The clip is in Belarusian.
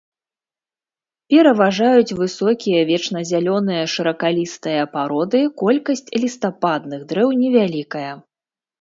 Пераважаюць высокія вечназялёныя шыракалістыя пароды, колькасць лістападных дрэў невялікая.